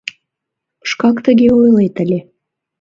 Шкак тыге ойлет ыле...